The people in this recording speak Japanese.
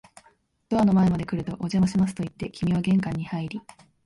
ドアの前まで来ると、お邪魔しますと言って、君は玄関に入り、